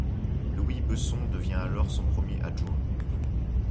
Louis Besson devient alors son premier adjoint.